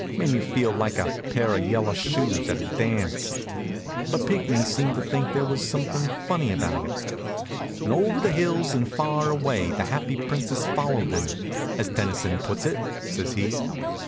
Made me feel like a pair of yellow shoes at a dance, but Pinckney seemed to think there was something funny about it. "'And over the hills and far away the happy Princess followed him,' as Tennyson puts it," says he.